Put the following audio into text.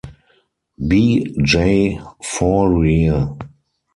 B. J. Fourier.